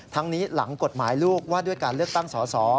นี้หลังกฎหมายลูกว่าด้วยการเลือกตั้งสอสอ